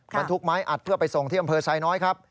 บรรทุกไม้อัดเพื่อไปส่งที่อำเภอไซน้อยครับ